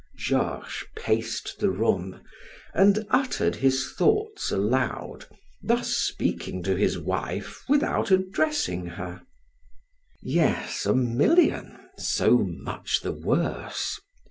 Georges paced the room and uttered his thoughts aloud, thus speaking to his wife without addressing her: "Yes, a million so much the worse.